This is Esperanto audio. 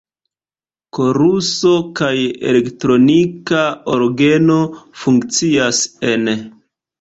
Koruso kaj elektronika orgeno funkcias ene.